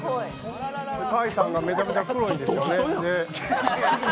開さんがめちゃくちゃ濃いんですよね。